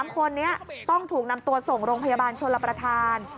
๓คนนี้ต้องถูกนำตัวส่งโรงพยาบาลชนลประธาน